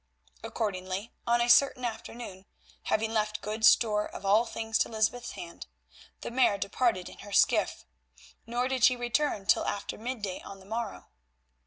Accordingly on a certain afternoon, having left good store of all things to Lysbeth's hand, the Mare departed in her skiff, nor did she return till after midday on the morrow.